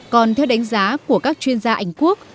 còn theo đánh giá của các chuyên gia anh quốc